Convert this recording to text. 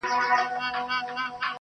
څه به کړو چي دا دریاب راته ساحل شي.!